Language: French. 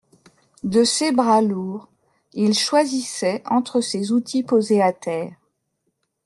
De ses bras lourds, il choisissait entre ses outils posés à terre.